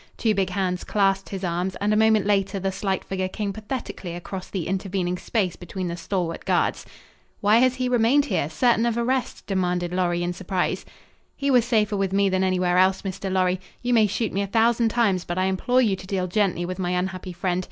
Two big hands clasped his arms, and a moment later the slight figure came pathetically across the intervening space between the stalwart guards. "Why has he remained here, certain of arrest?" demanded Lorry in surprise. "He was safer with me than anywhere else, Mr. Lorry. You may shoot me a thousand times, but I implore you to deal gently with my unhappy friend.